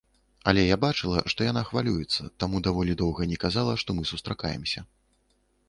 Але я бачыла, што яна хвалюецца, таму даволі доўга не казала, што мы сустракаемся.